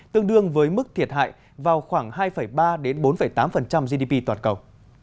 tương đương với mức thiệt hại vào khoảng hai ba bốn tám gdp toàn cầu